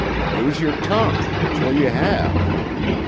Use your tongue; which will you have?"